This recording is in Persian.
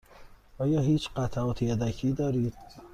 آیا هیچ قطعات یدکی دارید؟